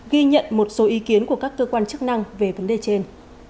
ghi nhận một số ý kiến của các cơ quan chức năng về vấn đề trên